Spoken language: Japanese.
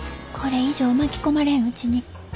これ以上巻き込まれんうちに。